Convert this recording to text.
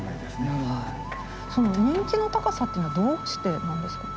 その人気の高さっていうのはどうしてなんですか。